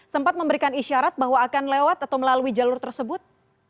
sempat memberikan isyarat bahwa akan lewat atau melalui jalur tersebut